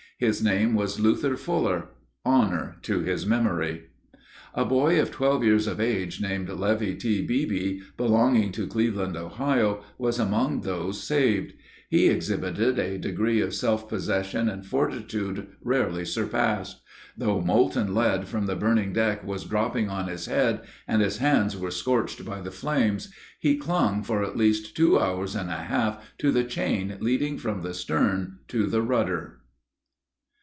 His name was Luther Fuller. Honor to his memory! A boy of twelve years of age, named Levi T. Beebee, belonging to Cleveland, Ohio, was among those saved. He exhibited a degree of self possession and fortitude rarely surpassed. Though molten lead from the burning deck was dropping on his head, and his hands were scorched by the flames, he clung for at least two hours and a half to the chain leading from the stern to the rudder.